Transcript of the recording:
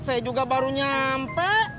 saya juga baru nyampe